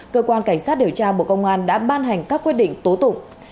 cơ quan cảnh sát điều tra bộ công an đã ban hành các quyết định tố tụng